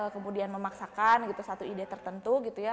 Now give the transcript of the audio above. kemudian memaksakan gitu satu ide tertentu gitu ya